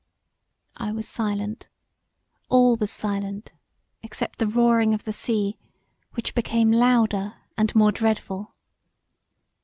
I was silent: all was silent except the roaring of the sea which became louder and more dreadful.